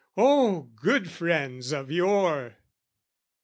Oh, good friends of yore!